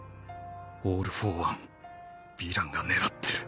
「オール・フォー・ワン」ヴィランが狙ってる。